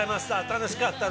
楽しかった。